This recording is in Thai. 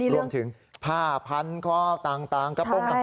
รวมถึงผ้าพันธุ์ข้อกต่างกระโป้ง